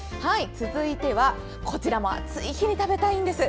続いてはこちらも暑い日に食べたいんです。